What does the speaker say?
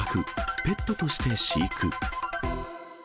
ペットとして飼育。